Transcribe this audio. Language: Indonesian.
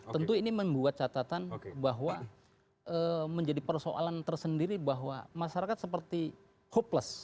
tentu ini membuat catatan bahwa menjadi persoalan tersendiri bahwa masyarakat seperti hopeless